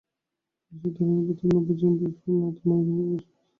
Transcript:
পুলিশের ধারণা, ভেতরে নব্য জেএমবির গুরুত্বপূর্ণ নেতা মাইনুল ওরফে মুসা রয়েছেন।